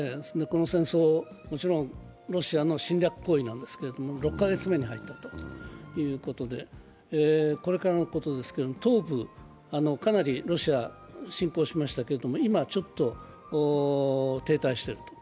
この戦争、もちろんロシアの侵略行為なんですけれども６カ月目に入ったということで、これからのことですけども、東部、かなりロシアが侵攻しましたけれども、今、ちょっと停滞している。